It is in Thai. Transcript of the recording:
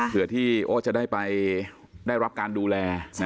เผื่อที่โอ๊ะจะได้รับการดูแล